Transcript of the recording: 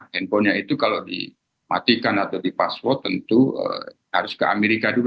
handphonenya itu kalau dimatikan atau di password tentu harus ke amerika dulu